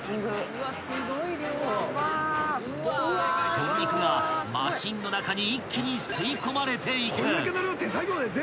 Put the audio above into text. ［鶏肉がマシンの中に一気に吸い込まれていく］